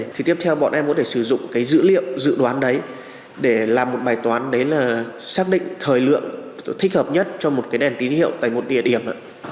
thì tiếp theo bọn em có thể sử dụng cái dữ liệu dự đoán đấy để làm một bài toán đấy là xác định thời lượng thích hợp nhất cho một cái đèn tín hiệu tại một địa điểm ạ